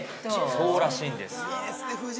◆そうらしいんですよ。